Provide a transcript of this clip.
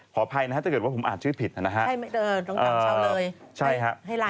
ขออภัยนะครับถ้าเกิดว่าผมอ่านชื่อผิดนะครับนะครับให้ไลน์มาบอกใช่ไหมตรงเช้าเลย